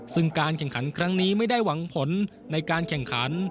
ซึ่งการแข่งขันครั้งนี้ไม่ได้หวังผลในการแข่งขัน